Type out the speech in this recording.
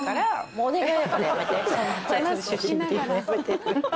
「もうお願い」。